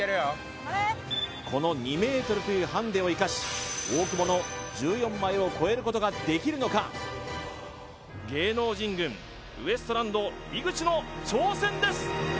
頑張れこの２ｍというハンデを生かし大久保の１４枚を超えることができるのか芸能人軍ウエストランド井口の挑戦です